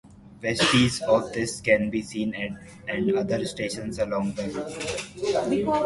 Vestiges of this can be seen at and other stations along the route.